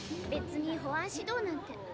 べつに保安指導なんて。